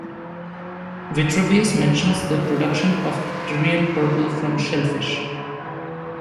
Vitruvius mentions the production of Tyrian purple from shellfish.